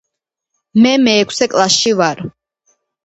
მე მეექვსე კლასში ვარ.